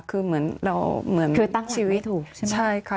คือเหมือนชีวิตถูกใช่ไหม